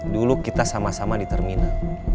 dulu kita sama sama di terminal